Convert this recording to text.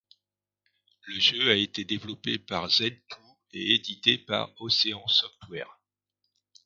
Le jeu a été développé par Zed Two et édité par Ocean Software.